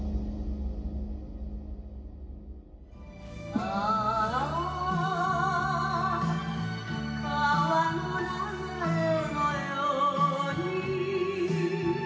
「ああ川の流れのように」